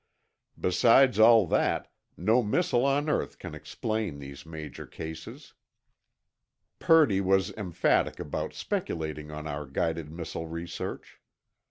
Besides all that, no missile on earth can explain these major cases." Purdy was emphatic about speculating on our guided missile research.